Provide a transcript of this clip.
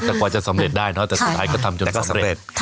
แต่กว่าจะสำเร็จได้เนอะแต่สุดท้ายก็ทำจนก็สำเร็จ